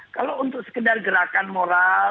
kalau untuk sekedar gerakan moral